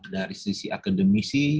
dari sisi akademisi